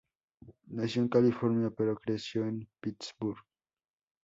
Nació en California, pero creció en Pittsburgh.